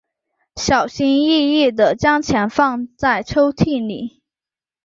小心翼翼地将钱收在抽屉里